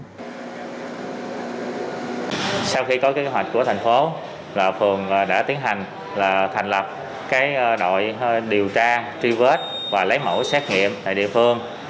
sau khi có kế hoạch của thành phố phương đã tiến hành thành lập đội điều tra tri vết và lấy mẫu xét nghiệm tại địa phương